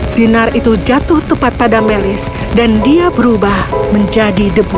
sinar itu jatuh tepat pada melis dan dia berubah menjadi debu